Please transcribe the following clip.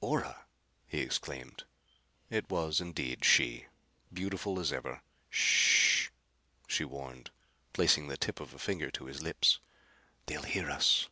"Ora!" he exclaimed. It was indeed she, beautiful as ever. "Sh h," she warned, placing the tip of a finger to his lips. "They'll hear us."